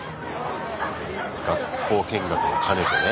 学校見学も兼ねてね。